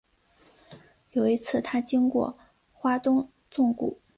有一次他经过花东纵谷